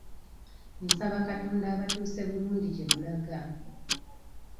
Nsaba Katonda abatuuse bulungi gye mulaga.